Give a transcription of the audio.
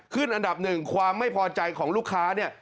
อันดับหนึ่งความไม่พอใจของลูกค้าเนี่ย